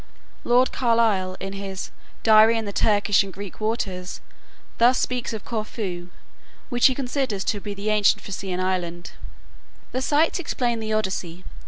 Lord Carlisle, in his "Diary in the Turkish and Greek Waters," thus speaks of Corfu, which he considers to be the ancient Phaeacian island: "The sites explain the 'Odyssey.'